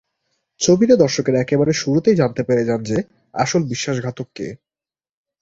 ছবিতে দর্শকেরা একেবারে শুরুতেই জানতে পেরে যান যে আসল বিশ্বাসঘাতক কে।